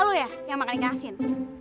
lalu ya yang makan ikan asin